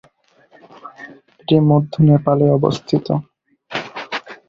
এটি মধ্য নেপালে অবস্থিত।